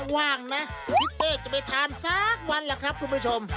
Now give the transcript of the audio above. ว่างนะทิศเป้จะไปทานสักวันแหละครับคุณผู้ชม